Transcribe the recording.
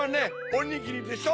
おにぎりでしょ。